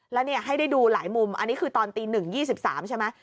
แล้วให้ได้ดูหลายมุมอันนี้คือตอนตี๑๒๓ใช่ไหม